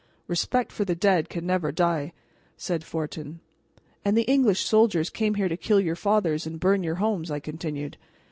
"Respect for the dead can never die," said Fortin. "And the English soldiers came here to kill your fathers and burn your homes," I continued.